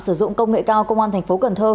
sử dụng công nghệ cao công an thành phố cần thơ